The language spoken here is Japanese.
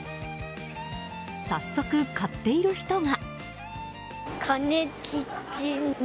早速、買っている人が。